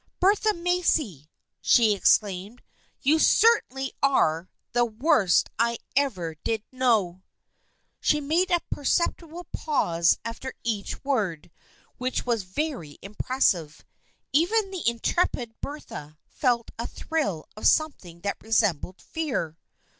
" Bertha Macy !" she exclaimed. " You cer tainly are — the — worst — I — ever — did — know !" She made a perceptible pause after each word which was very impressive. Even the intrepid Bertha felt a thrill of something that resembled fear.